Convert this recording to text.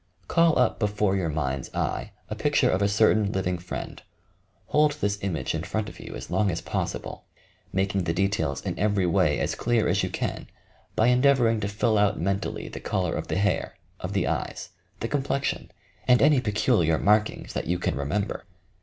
Call up before your mind's eye a picture of a certain living friend. Hold this image in front of you as long as possible, making the details in every way as clear as you can, by endeavouring to fill out mentally the colour of the hair, of the eyes, the complexion and any peculiar markings that you can remember.